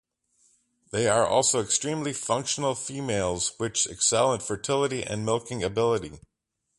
They are also extremely functional females which excel in fertility and milking ability.